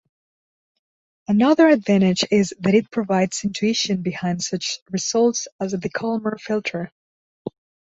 Another advantage is that it provides intuition behind such results as the Kalman filter.